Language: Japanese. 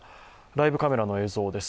ライブカメラの映像です。